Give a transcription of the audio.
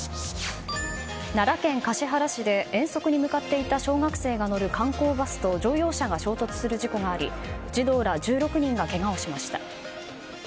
奈良県橿原市で遠足に向かっていた小学生が乗る観光バスと乗用車が衝突する事故があり児童ら１６人がけがをしました。